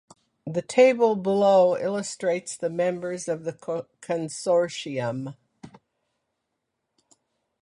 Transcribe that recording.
The table below illustrates the members of the consortium.